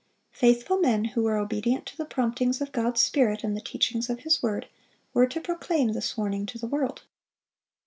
Faithful men, who were obedient to the promptings of God's Spirit and the teachings of His word, were to proclaim this warning to the world.